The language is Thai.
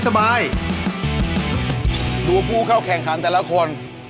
กลัวครูเข้าแข่งคำแต่ละคน